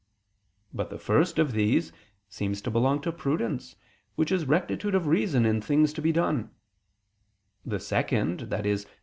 But the first of these seems to belong to prudence which is rectitude of reason in things to be done; the second, i.e.